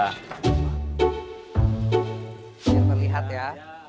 cukup lihat ya